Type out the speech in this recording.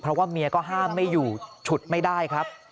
เพราะว่าเมียก็ห้ามไม่อยู่ฉุดไม่ได้ครับ